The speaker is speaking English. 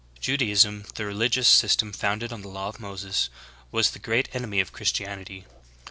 Judaism, the religious system founded on the law of Moses, w^as the groat enemy of Christianity.